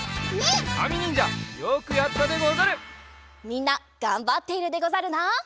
みんながんばっているでござるな。